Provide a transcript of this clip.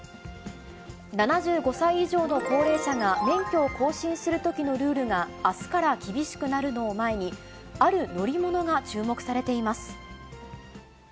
７５歳以上の高齢者が免許を更新するときのルールが、あすから厳しくなるのを前に、ある乗り物が注目されています。